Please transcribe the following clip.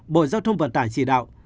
bộ giao thông vận tải chỉ đạo